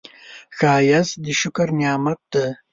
ښایست د شکر نعمت دی